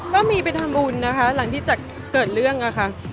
ก็มีไปทำบุญนะคะหลังจากเกิดเรื่องอะค่ะ